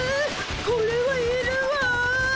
これはいるわ！